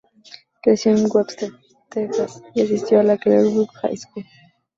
Creció en Webster, Texas, y asistió a la Clear Brook High School.